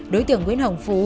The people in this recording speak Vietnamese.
đối tượng nguyễn hồng phú